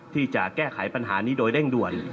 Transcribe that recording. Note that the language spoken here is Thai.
ที่จะแก้ไขปัญหานี้โดยเร่งด่วน